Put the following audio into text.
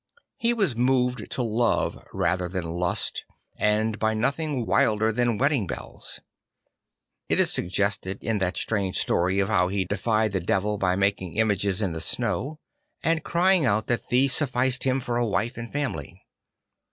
He was moved to love rather than lust, and by nothing wilder than wedding bells. It is suggested in that strange story of how he defied the devil by making images in the snow, and crying out that these sufficed him for a wife and family.